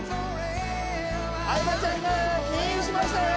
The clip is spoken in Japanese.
相葉ちゃんがけん引しましたよ！